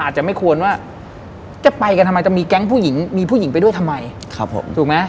อาจจะไม่ควรว่าจะไปกันทำไมจะมีแก๊งผู้หญิงมีผู้หญิงไปด้วยทำไมครับผมถูกไหม